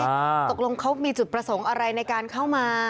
ตกลงเขามีจุดประสงค์อะไรในการเข้ามา